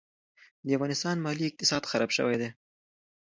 د افغانستان مالي اقتصاد خراب شوی دي.